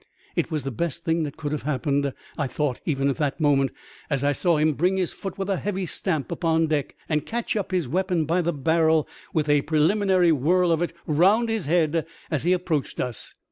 It was the best thing that could have happened, I thought even at that moment, as I saw him bring his foot with a heavy stamp upon deck, and catch up his weapon by the barrel with a preliminary whirl of it round his head as he approached us.